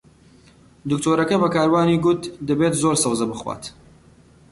دکتۆرەکە بە کاروانی گوت دەبێت زۆر سەوزە بخوات.